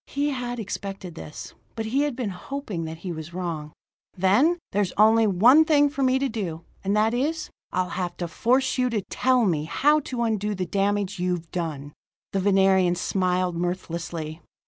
He had expected this; but he had been hoping that he was wrong. "Then there's only one thing for me to do, and that is: I'll have to force you to tell me how to undo the damage you've done." The Venerian smiled mirthlessly.